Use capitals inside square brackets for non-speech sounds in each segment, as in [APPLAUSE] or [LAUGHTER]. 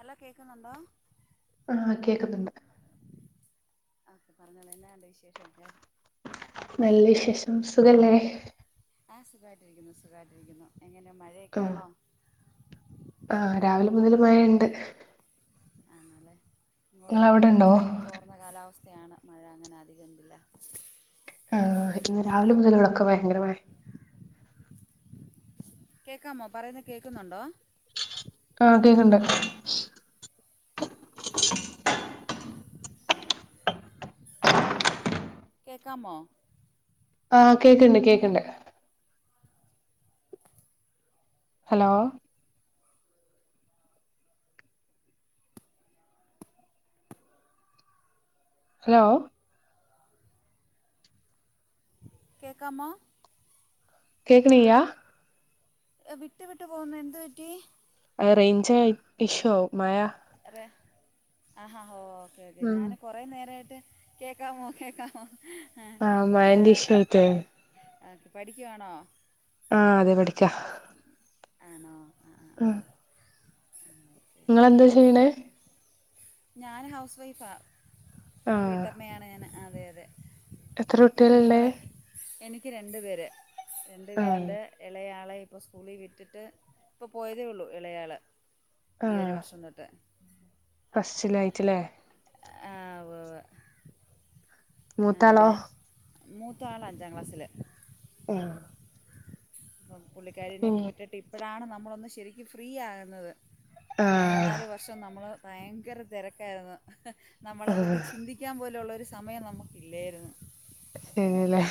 എല്ലാ കേക്കുന്നുണ്ടോ ആഹ് കേക്കുന്നുണ്ട് ആക്കെ പറഞ്ഞോള എന്നാണ്ട് വിശേഷംക്കെ നല്ല വിശേഷംസുഖല്ലേ ആ സുഖമായിട്ടിരിക്കുന്നു സുഖായിട്ടിരിക്കുന്നു എങ്ങനെയ മഴയൊക്കൊണോ ആഹ രാവിലെ മുതൽ മഴ ഉണ്ട് ആണല്ലെ ഇങ്ങോട്ടേക്കെ ഇപ്പോ ഇച്ചിരി തോർന്ന കാലാവസ്ഥ യാണ് മഴ അങ്ങനെ അധികം ഇല്ല ആഹ ഇന്ന് രാവിലെ മുതല ഇവിടൊക്കെ ഭയങ്കരമായ കേക്കാമോ പറയുന്നത് കേക്കുന്നുണ്ടോ ആഹ കേക്കണ്ട കക്കമോ ആഹ് കേക്കണ്ട് കേക്കണ്ട് ഹലോ ഹലോ കേക്കമോ കേക്കന്യാ വിട്ട് വിട്ടു പോകുന്നു എന്ത് പറ്റി റേഞ്ച് ഇഷു ആവും മഴ ആാ ഹ ഓക്കേ ഓക്കേ ഉം ഞാൻ കൊറേ നേരമായിട്ട് കേൾക്കാമോ കേക്കാമോ ആഹ മ എന്ത് ഇഷത്തെ ആക്കെ പഠിക്കുവാണോ ആഹ അതെ പഠിക്ക ആണോ ആ ആ ആഹ ആ ഞൻ ഹൗസ് വൈഫാ പിെ ആഹ് വീട്ടമ്മയാണ് ഞാൻ അതെ അതെ എത്ര കുട്ടിയല്ലല്ലേ കുഞ്ഞുങ്ങളെ എനിക്ക് രണ്ട് പേര് രണ്ടു ആഹ് പേരുണ്ട് ഇളയാളി ഇപ്പോൾ സ്കൂളിൽ വിട്ടിട്ട് ഇപ്പോൾ പോയതേ ഉള്ളു ഇളയാള് ഈ ഒരു വർഷം തൊട്ട് അസ്്സിലായിട്ടല്ലേ ആ, ഉവ്വ് ഉവ്വ്. മൂത്താളോ അങ്ങനെ മൂത്ത ആൾ അഞ്ചാം ക്ലാസ്സില് ആ പുള്ളിക്കാരിനൊക്കെ വിട്ടിട്ട് ഇപ്പോഴാണ് നമ്മളൊന്ന് ശരിക്കും ഫ്രീ ആകുന്നത് ഒരു ആഹ് മൂന്നാാല വർഷം നമ്മള് ഭയങ്കര തിരക്കായിരുന്നു ആഹ് നമ്മളെപ്പറ്റി ചിന്തിക്കാൻ പോലെയുള്ളരു സമയം നമുക്കില്ലായിരുന്നു ശരിയല്ലേ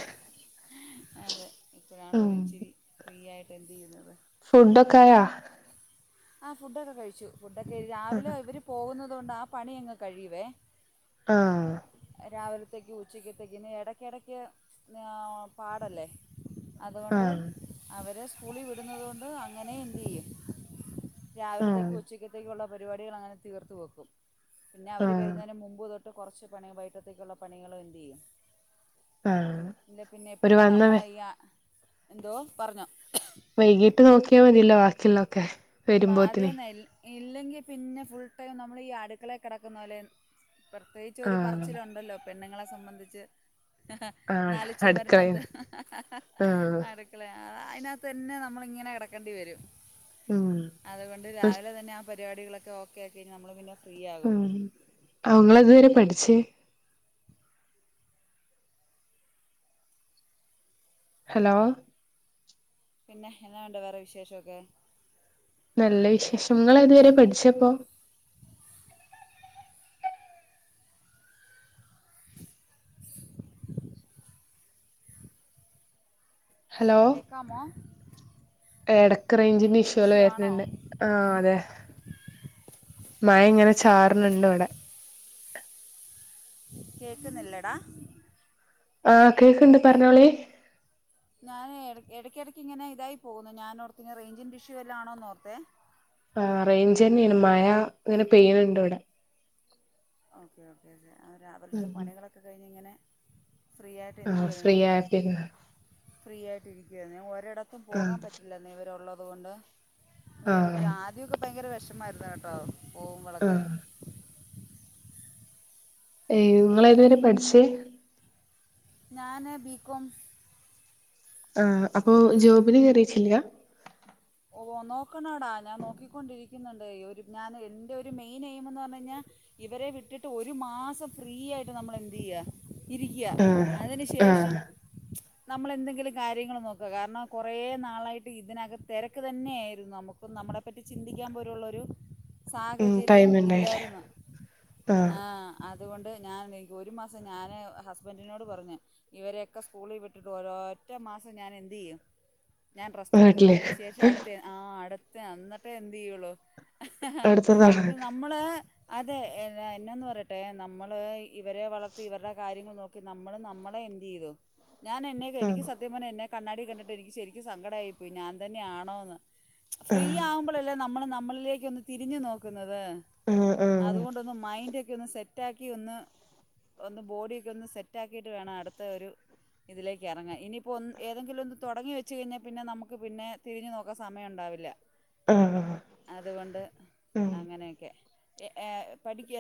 അതെ ഇപ്പോഴാണ ഇച്ചിരി ഫ്രീ ആയിട്ട് എന്ത് ചെയ്യുന്നത് ഫുഡൊക്കായ ആ ഫുഡ്ൊക്കെ കഴിച്ചു ഫുഡൊക്കെഴ ആഹ് രാവിലെ ഇവർ പോകുന്നത കൊണ്ട് ആ പണിയ അങ്ങ് കഴിയുവേ ആഹ രാവിലത്തേക്ക് ഉച്ചയ്ക്കത്തേക്ക് ഇനി ഇടയ്ക്കിടയ്ക്ക് പാടല്ലേ അതുകൊണ്ട് ആഹ് അവരെ സ്കൂളിൽ വിടുന്നതുകൊണ്ട് അങ്ങനെ എന്ത് ചെയ്യും രാവിലത്തേക്കും ഉച്ചക്കത്തേക്ക ഉള്ള പരിപാടികൾ അങ്ങനെ തീർത്ത് വെക്കും പിന്നെ അവര് ആഹ് വരുന്നതിന് മുമ്പ് തൊട്ട് കുറച്ച് പണി ബൈട്ടത്തേക്കുള്ള പണികും എന്തു ചെയ്യും ആഹ് എാ പിന്നെ ഒരു എപ്പഴും വന്ന നമ്മള എന്തോ പറഞ്ഞു വൈകീട്ട് നോക്കിയാൽ മതില്ലോ ബാക്കിയുള്ളൊക്കെ അമ്മ വരുമ്പോത്തിനന് അതേന്നെ ഇൽ ഇല്ലെങ്കിൽ പിന്നെ ഫുൾ ടൈം നമ്മൾ ഈ അടുക്കളെ കിടക്കുന്ന പോലെ പ്രത്യേകിച്ച് ഒരു ആഹ് പറച്ചിലുണ്ടല്ലോ പെണ്ണുങ്ങളെ സംബന്ധിച്ച് ആഹ് നാല് ചുമരിനകത്ത് അടുക്കളേന്ന് ആഹ് അടുക്കല അതിനകത്ത് തന്നെ നമ്മളിങ്ങനെ കിടക്കേണ്ടി വരും ഉം അതുകൊണ്ട് രാവിലെ തന്നെ ആ പ പരിപടികളക്കെ ഒക്കെ അക്കി നമ്മൾ പിന്നെ ഫ്രീ ഉ ആകും അവള് എതുവരെ പഠിച്ചേ ഹലോ പിന്നെ എന്നാ ഒണ്ട് വേറെ വിശേഷം ഒക്കെ നല്ല വിശേഷങ്ങള് നിങ്ങളതുവരെ പഠിച്ചപ്പോ ഹലോ കേക്കാമോ എടക്ക് റേഞ്ചിന്റെ ഇഷോല്ല ഇഷ്യൂ ആണോ വരുന്നുണ്ട് ആ അതെ മയ ഇങ്ങനെ ചാറിനുണ്ട് ഇവിടെ കേക്കുന്നില്ലടാ ആ കേക്കണ്ട് പറഞ്ഞോളെ ഞാന് ഇടക്കിടയ്ക്ക് ഇങ്ങനെ ഇതായി പോകുന്നു ഞാനോർത്തു റേഞ്ചിൻ ഇഷ്യൂ വല്ലം ആണോന്ന് നോർത്തോ ആ റേഞ്ചന്നെ മഴ ഇങ്ങനെ പെയിനുണ്ട് ഇവിടെ ഓക്കെ ഓക്കേ രാവിലത്തെ പണികളൊക്കെ കഴിഞ്ഞ് ഇങ്ങനെ ഫ്രീ ആയിട്ട് ആ എന്ത് ഫ്രീ ചെയ്യുവായിരുന്നു ആയപ്പിന്നെ ഫ്രീ ആയിട്ട് ഇരിക്കുവായിരുന്നു ഞാൻ ഒരിടത്തും പോകാൻ പറ്റില്ലെന്ന ഇവരെള്ളത് കൊണ്ട് ആ വരെ വിട്ടു ആദ്യമൊക്കെ ഭയങ്കര വിഷമായിരുന്നു കേട്ടോ ആ പോവുമ്പോളൊക്കെ ഏയ് നിങ്ങള ഏതുവരെ പഠിച്ചേ ഞാന് ബികോം ആ അപ്പൊ ജോബിന് കേറിയിട്ടില്ല ഓ നോക്കണോടാ ഞാൻ നോക്കിക്കൊണ്ടിരിക്കുന്നുണ്ട് ഒരു ഞാൻ എൻ്റെ ഒരു മെയിൻ എയിം എന്ന് പറഞ്ഞ് കഴിഞ്ഞാൽ ഇവരെ വിട്ടിട്ട് ഒരു മാസം ഫ്രീ ആയിട്ട് നമ്മൾ എന്തയ്യ ഇരിക്കുക ആ അതിന് ആ ശേഷം നമ്മൾ എന്തെങ്കിലും കാര്യങ്ങൾ നോക്കുക കാരണം കുറേ നാളായിട്ട് ഇതിനകത്ത് തിരക്ക് ക്ക് തന്നെയായിരുന്നു നമുക്ക് നമ്മളെ പറ്റി ചിന്തിക്കാൻ പോലുള്ളെരു ഉം സാഹചര്യം ടൈം ഉണ്ടായില്ലേ ഇല്ലായിരുന്നു ആ അതുകൊണ്ട് ഞാൻ ഒരു മാസം ഞാൻ ഹസ്ബൻഡിനോട് പറഞ്ഞ് ഇവരെയൊക്കെ സ്കൂളിൽ വിട്ടിട്ട് ഓരോ ഒറ്റ മാസം ഞാൻ എന്ത് ചെയ്യും ഞാൻ ട്രസ്റ്റ് എടുക്കും വീട്ടില് അതിന് ശേഷം അടുത്ത് ആ അടുത്ത് എന്നന്നിട്ടേ എന്ത് ചെയ്യുള്ളു അടുത്തതാണ് ഇന്ന നമ്മള് അതെ എന്നന്ന് പറയട്ടെ നമ്മൾ ഇവരെ വളർത്തി ഇവരുടെ കാര്യങ്ങൾ നോക്കി നമ്മൾ നമ്മളെ ആ തി ചെയ്യതെ ഞാൻ എന്നെക്ക് ആ എനിക്ക് സത്യം പറഞ എന്നെ കണ്ണാടി കണ്ടിട്ട് എനിക്ക് ശരിക്കും സങ്കടായിപ്പോയി ഞാൻ തന്നെയാണോന്ന് ആ ഫ്രീ ആവുമ്പോഴല്ലേ നമ്മൾ നമ്മളിലേക്ക് ഒന്ന് തിരിഞ്ഞു നോക്കുന്നത് അതെ ആ ആ അതുകൊണ്ടൊന്ന് മൈൻഡ ഒക്കെ ഒന്ന് സെറ്റയാക്കിയൊന്ന് ഒന്ന് ബോഡിയക്കെ ഒന്ന് സെറ്റ് ആക്കിട്ട് വേണം അടുത്ത ഒരു ഇതിലേക്ക് ഇറങ്ങാൻ ഇനിയിപ്പോൾ ഒ ഏതെങ്കിലും ഒന്ന് തുടങ്ങി വെച്ച് കഴിഞ്ഞാൽ പിന്നെ നമുക്ക് പിന്നെ തിരിഞ്ഞു നോക്കാൻ സമയം ഉണ്ടാവില്ല ആ അതുകൊണ്ട് ഉം അങ്ങനെയൊക്കെ ഏ പഠിക്ക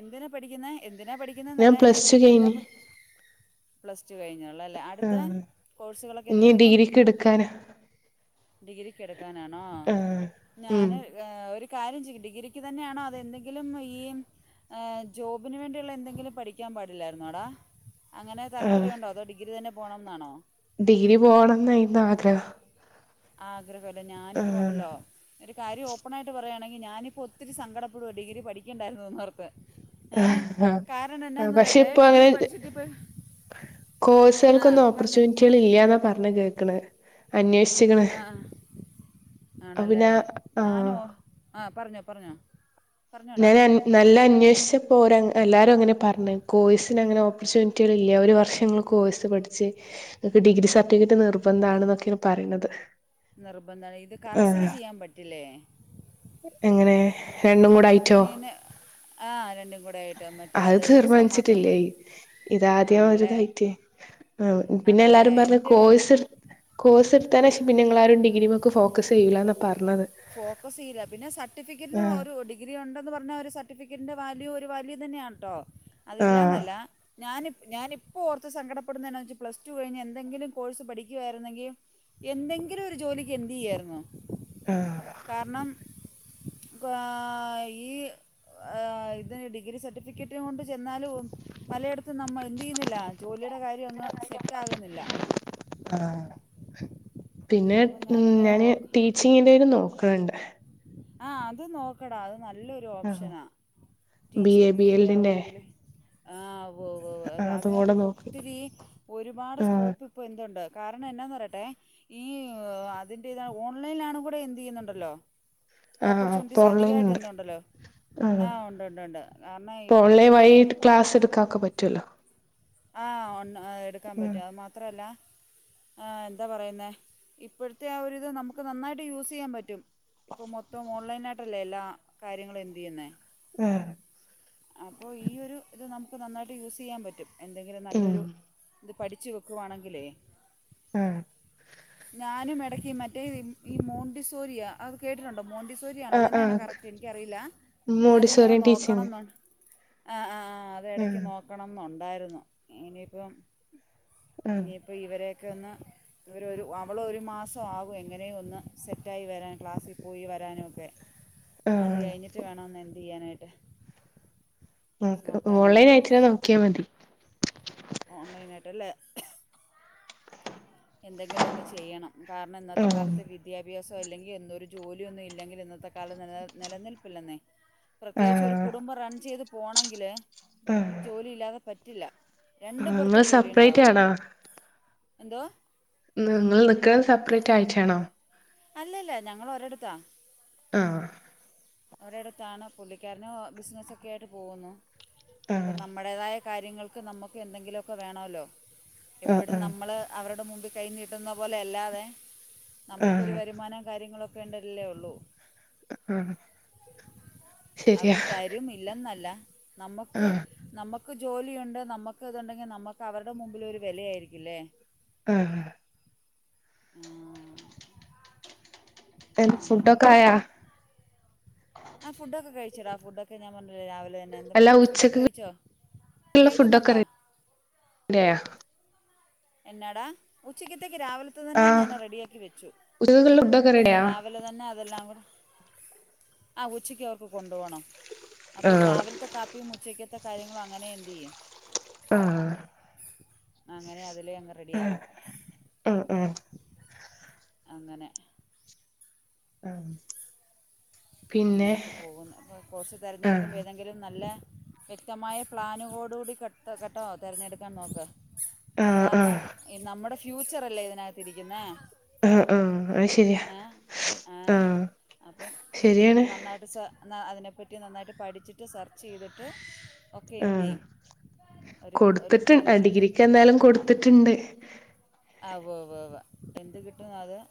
എന്തിനാ പഠിക്കുന്നത് എന്തിനാ പഠിക്കുന്നത് ഞാൻ എന്നല്ല എ പ്ലസ് ടു എന്താ കഴിഞ്ഞ് പ്ലസ് ടു കഴിഞ്ഞാണ് ആ ഇനി എന്തെങ്കിലും ഡിഗ്രിക്ക് എടുക്കാന ഡിഗ്രിക്ക് എടുക്കാനാണോ ഉം ഞാന് ഒരു കാര്യം ചെയ്യു ഡിഗ്രിക്ക് തന്നെയാണോ അതെന്തെങ്കിലും ഈ കെ ജോബിനന് വേണ്ടിയുള്ള എന്തെങ്കിലും പഠിക്കാൻ പാടില്ലായിരുന്നോടാ അങ്ങനെ ആ താല്പര്യമുണ്ടോ അതോ ഡിഗ്രി തന്നെ പോകണം എന്നാണോ ഡിഗ്രി പോണംന്ന് ആയിരുന്നു ആഗ്രഹം ആഗ്രഹല്ലേ ഞാനിപ്പോ ആ ഒണ്ടല്ലോ ഒരു കാര്യം ഓപ്പൺ ആയിട്ട് പറയുകയാണെങ്കിൽ ഞാനിപ്പോൾ ഒത്തിരി സങ്കടപ്പെടുവുക ഡിഗ്രി പഠിക്കേണ്ടായിരുന്നു എന്ന് ഓർത്ത് ഏ ആഹ് കാരണം എന്നന്താന്ന് പക്ഷെ പറയട്ടെ ഇപ്പൊ അങ്ങനെ ഡിഗ്രി പഠിച്ചിട്ട് ഇപ്പൊ കോഴ്സുകൾക്കൊന്നും ഓപ്പർച്യൂണിറ്റികൾ ഇല്ലാന്ന പറഞ്ഞ് കേക്കണ് ആ ആ അപ്പൊ ആണല്ലേ പിന്നെ ആ ഞാനോ ആ പറഞ്ഞോ പറഞ്ഞോ പറഞ്ഞോടാ ഞൻ നല്ല അന്വേ പ്പോ എല്ലാരരും അങ്ങനെ പറഞ്ഞ കോഴ്സിന് അങ്ങനെ ഓപ്പർച്യൂണിറ്റികൾ ഇല്ല ഒരു വർഷങ്ങൾ കോഴ്സ് പഠിച്ചു ച് നിങ്ങക്ക് ഡിഗ്രി സർട്ടിഫിക്കറ്റ് നിർബന്ധ ആണ എന്നൊക്കെ പറയണത് നിർബന്ധമാണ് ഇത് ആ കറസില് ചെയ്യാൻ പറ്റില്ലേ എങ്ങനെ രണ്ടും കൂടെ ആയിട്ടോ ഇങ്ങനെ ആ രണ്ടും കൂടെ ആയിട്ട് മറ്റേ അത് എക്സാം മാത്രം തീരുമാനിച്ചിട്ടില്ല പോയി ഇത് ആദ്യ ആണല്ലേ ഒരുതായിട്ട് ആ പിന്നെ ആണല്ലേ എല്ലാരും പറഞ്ഞ എൻ്റെ കോഴ്സ് കോഴ്സ്ടുത്താന പിന്നെങ്ങ ആരും ഡിഗ്രിമേക് ഫോക്കസ് ചെയ്യൂല എന്നാ പറഞ്ഞത് ഫോക്കസ് ചെയ്യില്ല പിന്നെ സർട്ടിഫിക്കറ്റിന് ആഹ് ഒരു ഡിഗ്രി ഉണ്ടെന്ന് പറഞ്ഞാൽ ഒരു സർട്ടിഫിക്കറ്റിൻ്റെ വാല്യൂ ഒരു വാല്യൂ തന്നെയാണ് കേട്ടോ ആഹ് അതില്ലാന്നല്ല ഞാനി ഞാന ഇപ്പോൾ ഓർത്ത് സങ്കടപ്പെടുന്നതാ വെച്ച് പ്ലസ് ടു കഴിഞ്ഞ് എന്തെങ്കിലും കോഴ്സ് പഠിക്കുായിരുന്നെങ്കിൽ എന്തെങ്കിലും ഒരു ജോലിക്ക് എന്തു ചെയ്യായിരുന്നു ആ കാരണം ഈ ഇതിന് ഡിഗ്രി സർട്ടിഫിക്കറ്റ കൊണ്ട് ചെന്നാലും പലയിട അ നമ്മൾ എന്ത് ചെയ്യുന്നില്ല ജോലിയുടെ കാര്യം ഒന്നും സെറ്റ് ആകുന്നില്ല ആഹ് പിന്നെ ഉ ഞാന് ഓർക്ക് ടീച്ചിങ്ങിന്റെ തിൽ നോക്കുന്നുണ്ട് ആ അത് നോക്കടാ നല്ലൊരു ആഹ് ഓപ്ഷനാ ബി എ ബി ടീച്ചിങ്ങിൻ്റെ ആ എൽഡിന്റെ ഒരുരിതിൽ അതും അതിനകത്ത് കൂടെ ഇപ്പോൾ നോക്കി ഒത്തിരി ഒരുപാട് ആഹ് സ്കോപ്പ് ഇപ്പോ എന്തുണ്ട് കാരണം എന്നന്താന്ന് പറയട്ടെ ഈ അതിൻ്റെ താ ഓൺലൈനൽണ കൂടെ എന്ത് ചെയ്യുന്നുണ്ടല്ലോ ഓപ്പർച്യൂണിറ്റീസ് അധികമായിട്ട് എന്തുണ്ടല്ലോ ആ ഉണ്ട് ഉണ്ട് ഉണ്ട് കാരണം ഇപ്പൊ ഓൺലൈൻ വഴി ഇപ്പോഴത്തെ ക്ലാസ് എടുക്കനോകേ പറ്റൂല്ലോ ആ ഒ എടുക്കാൻ പറ്റും അത് മാത്രല്ല എന്താ പറയുന്നേ ഇപ്പോഴത്തെ ഒരിത് നമുക്ക് നന്നായിട്ട് യൂസ് ചെയ്യാൻ പറ്റും ഇപ്പൊ മൊത്തം ഓൺലൈന ആയിട്ടല്ലേ എല്ലാ കാര്യങ്ങളും എന്തു ചെയ്യുന്നേ ആഹ് അപ്പൊ ഈ ഒരു ഇത് നമുക്ക് നന്നായിട്ട് യൂസ് ചെയ്യാൻ പറ്റും എന്തെങ്കിലും ഉം നല്ലൊരു ഇത് പഠിച്ചു വെക്കുവാണെങ്കിലേ ഉം ഞാനും ഇടക്ക് മറ്റേ ഈ മോണ്ടിസോരിയ അത് കേട്ടിട്ടുണ്ടോ മോണ്ടിസോരിയ അത് ആഹ് തന്നെയാണ ആഹ് കറക്റ്റ് എനിക്കറിയില്ല അതിങ്ങനെ മോഡിസോറിയൻ നോക്കണം ടീച്ചിങ് എന്നു ആ ആ ആ അത് ഇടക്ക് ആഹ് നോക്കണംന്നുണ്ടായിരുന്നു ഇനിയിപ്പം ആഹ് ഇനിയിപ്പോ ഇവരൊക്കെ ഒന്ന് ഇവര ഒരു അവള ഒരു മാസം ആകും എങ്ങനെയും ഒന്ന് സെറ്റായി വരാൻ ക്ലാസ്സിൽ പോയി വരാനുമൊക്കെ അത് ആഹ് കഴിഞ്ഞിട്ട് വേണംന്ന് എന്ത് ചെയ്യാനായിട്ട് ഓൺലൈൻ നോക്കാനായിട്ട് ആയിട്ട നോക്കിയാൽ മതി ഓൺലൈനട്ടല്ല എന്തെങ്കിലും ഒന്ന് ചെയ്യണം കാരണം ഇന്നത്തെ ആഹ് കാലത്ത് വിദ്യാഭ്യാസ സോ അല്ലെങ്കിൽ എന്തൊരു ജോലിയൊന്നും ഇല്ലെങ്കിൽ ഇന്നത്തെ കാലം നില നിലനിൽപ്പില്ലെന്നേ പ്രത്യേകിച്ച് ഒരു ആഹ് കുടുംബം റൺ ചെയ്ത് പോണമെങ്കില് ജോലി ഇല്ലാതെ പറ്റില്ല രണ്ടു നിങ്ങള് പേർക്കും ജോലി സെപ്പറേറ്റ് ഉണ്ടാവണം ആണോ എന്തോ നിങ്ങൾ നിക്കുന്നത് സെപ്പറേറ്റ് ആയിട്ടാണോ അല്ലല്ല ഞങ്ങൾ ഒരിടുത്തആണ്‌ ആ ഒരിടത്താണ് പുള്ളിക്കാരന ബിസിനസ്സൊക്കെ ആയിട്ട് പോകുന്നു ആഹ് അപ്പം നമ്മുടേതായ കാര്യങ്ങൾക്ക് നമുക്ക് എന്തെങ്കിലുമൊക്കെ വേണമല്ലോ ആഹ് എപ്പോഴും ആഹ് നമ്മൾ അവരുടെ മുമ്പ് കൈ നീട്ടുന്ന പോലെ അല്ലാതെ നമുക്കൊരു ആഹ് വരുമാനം കാര്യങ്ങളൊക്കെ ഉണ്ടരില്ലേ ഉള്ളൂ ആഹ് ശരിയാ അവര് തരും ഇല്ലെന്നല്ല നമക്ക് ആഹ് നമ്മ- നമക്ക് ജോലിയൊണ്ട് നമ്മക്ക്തുണ്ടെങ്കി നമ്മക്ക് അവർടെ മുമ്പിൽ ഒരു വെലയായിരിക്കില്ലേ ആഹ് ആഹ് എ [UNINTELLIGIBLE] ഫുഡൊക്കെ ആയാ [UNINTELLIGIBLE] ഫുഡൊക്കെഞാൻ പറന് രാവിലെന്നെ എന്താ ഫു അല്ല ഫുഡ്ക്കെ ഉച്ചക്കുള്ള കയിച്ചോ ഫുഡൊക്കെ കെക്കുന്നൊണ്ടോ [UNINTELLIGIBLE] എന്നടാ ഉച്ചക്ക ത്തക്ക് രാവിലത്തതന്നെ ആഹ് ഞാൻ റെഡിയ ആാക്കി വെച്ചു ഉച്ചക്കുള്ള ഫുഡൊക്കെ റെഡിയാ രാവിലെ തന്നെ അതെല്ലാം കൂ- ആഹ് ഉച്ചക്ക് അവർക്ക് കൊണ്ട്പോണം അപ്പോ ആഹ് രാവിൽത്തെ കാപ്പിയും ഉച്ചക്ക ത്തെ കാര്യങ്ങളും അങ്ങനെ ന്ത്‌യ്യും ആഹ്.... അങ്ങനെ അതിലെങ്ങ് ആഹ് റെഡിയാകും ആഹ് ആഹ് അങ്ങനെ ആഹ് പിന്നെ അങ്ങനെയൊക്കെ പോകുന്നു അപ്പോ കോഴ്സ് ആഹ് തെരഞ്ഞെടുക്കുമ്പ ഏതെങ്കിലും നല്ലെ വ്യക്തമായ പ്ലാനോടുകൂടി കട്ടോ കേട്ടോ തെരഞ്ഞെടുക്കാൻ നോക്ക് ആഹ് കാർണം ആഹ് നമ്മുടെ ഫ്യൂച്ചർ അല്ലേ ഇതിനകത്തിരിക്ന്നെ ആഹ് ആഹ് അത്ശരിയാ ആഹ് ശര് നന്ന നന്നായിട്ട് സ ന അതിനെപ്പറ്റി നന്നായിട്ട് പഠിച്ചിട്ട് സെർച്ച് ചെയ്തിട്ട് ഒക്കെ എന്ത് മ്ഹ് ചെയ്യ് ഒരു ഒരു കൊടുത്തിട്ടു ആ നല്ലൊരു ഡിഗ്രിക്ക് എന്തായാലും കൊടുത്തിട്ടിണ്ട് ആഹ് ഉവ്വ ഉവ്വ ഉവ്വ എന്ത് കി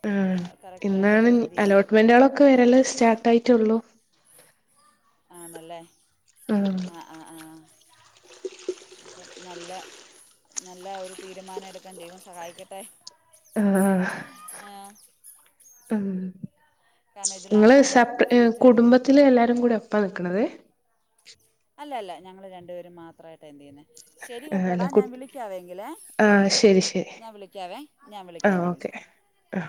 മ്ഹ് ഇന്നാണ് എന്ത് ചെയ്യ് അലോട്ട്മെന്റുകളൊക്കെ വരല് സ്റ്റാർട്ട് ആയിട്ടേ ഉള്ളൂ ആണല്ലേ? ആഹ് ആഹ് ആഹ് അപ്പോം നല്ല നല്ല ഒരു തീരുമാനം എടുക്കാൻ ദൈവം സഹായിക്കട്ടെ. ആഹ് ആ മ്ഹ് കാരണം ഇതിലാണ് നിങ്ങള് നമ്മുടെ സപ്പ് ഏഹ് ഫ്യൂച്ചറിൽ കുടുംബത്തില് എല്ലാരും കൂടി ഒപ്പാ നിക്കണത് അല്ല അല്ല ഞങ്ങള് രണ്ടുപേരും മാത്രായിട്ടാ എന്ത് ചെയ്യുന്നേ ശരി ആഹ് അല്ല കേട്ടോടാ കു ഞാൻ വിളിക്കാവേ എങ്കിലേ ആഹ് ശരി ശരി ഞാൻ വിളിക്കാവേ ഞാൻ വിളിക്കാം ആഹ് ഞാൻ ഓക്കെ വിളിക്കാം ആഹ്